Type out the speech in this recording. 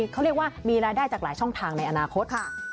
เขาเรียกว่ามีรายได้จากหลายช่องทางในอนาคต